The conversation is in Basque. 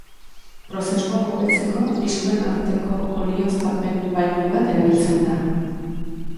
Prozesu hau hobetzeko diskoen arteko olioztapen-bainu bat erabiltzen da.